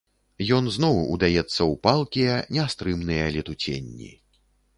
Ён зноў удаецца ў палкія нястрымныя летуценні.